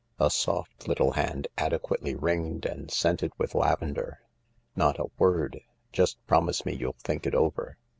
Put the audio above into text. A soft little hand, adequately ringed and scented with lavender. "Not a word; just promise me you'll think it over.